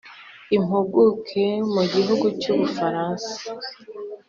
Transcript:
Impuguke mu gihugu cy’u Bufaransa